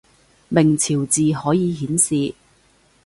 明朝字可以顯示